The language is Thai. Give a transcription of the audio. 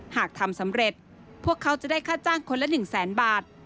หากทำสำเร็จพวกเขาจะได้ค่าจ้างคนละ๑แสนบาท